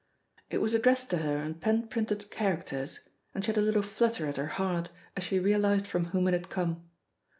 It was addressed to her in pen printed characters, and she had a little flutter at her heart as she realised from whom it had come.